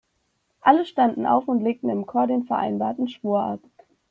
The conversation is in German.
Alle standen auf und legten im Chor den vereinbarten Schwur ab.